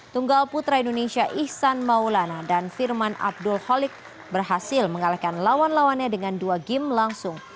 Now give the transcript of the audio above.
tunggal putra indonesia ihsan maulana dan firman abdul khaliq berhasil mengalahkan lawan lawannya dengan dua game langsung